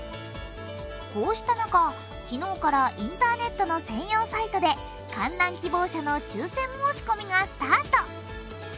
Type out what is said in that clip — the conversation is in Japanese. こうした中、昨日からインターネットの専用サイトで観覧希望者の抽選申し込みがスタート。